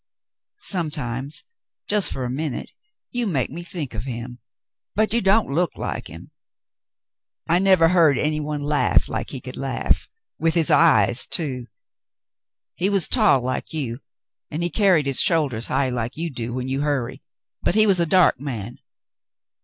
"Sometimes — just for a minute — you make me think of him — but you don't look like him. I never heard any one laugh like he could laugh — and with his eyes, too. He was tall like you, and he carried his shoulders high like you do when you hurry, but he was a dark man.